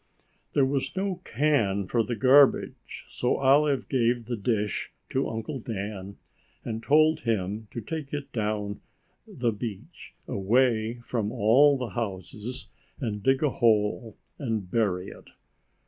There was no can for the garbage, so Olive gave the dish to Uncle Dan and told him to take it down the beach away from all the houses and dig a hole and bury it.